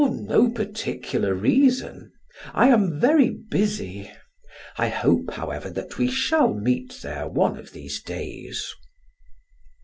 "For no particular reason. I am very busy. I hope, however, that we shall meet there one of these days."